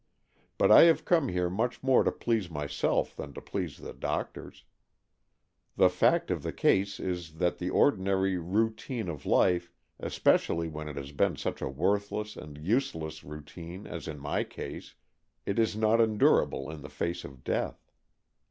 But I have come here much more to please myself than to please the doctors. The fact of the case is that the ordinary routine of life — especially when it has been such a worthless and useless routine as in my case — is not endurable in the face of death.